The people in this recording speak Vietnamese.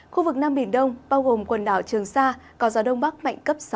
khu vực nam biển đông bao gồm quần đảo trường sa có gió đông bắc mạnh cấp sáu